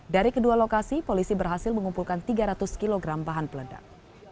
dari kedua lokasi polisi berhasil mengumpulkan tiga ratus kg bahan peledak